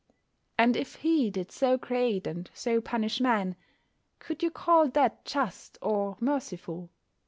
And if He did so create and so punish man, could you call that just or merciful?